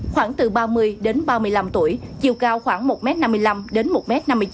khoảng từ ba mươi đến ba mươi năm tuổi chiều cao khoảng một m năm mươi năm đến một m năm mươi chín